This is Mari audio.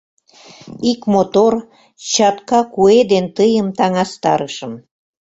Ик мотор, чатка куэ ден Тыйым таҥастарышым.